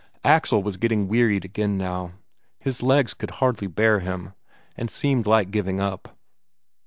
Axel was getting wearied again by now; his legs could hardly bear him, and seemed like giving up.